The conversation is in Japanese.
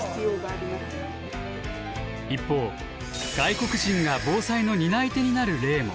一方外国人が防災の担い手になる例も。